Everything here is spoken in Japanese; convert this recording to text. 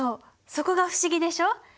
そこが不思議でしょ。